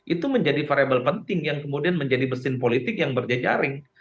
itu menjadi variable penting yang kemudian menjadi mesin politik yang berjejaring